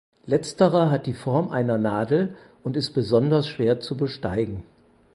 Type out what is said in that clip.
Letzterer hat die Form einer Nadel und ist besonders schwer zu besteigen.